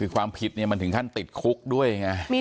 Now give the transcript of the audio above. ความผิดมันถึงขั้นติดคุกด้วยไง